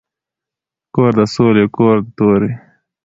کور د ســــولي کـــــور د تَُوري